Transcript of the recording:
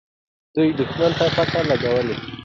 دوی دښمن ته پته لګولې.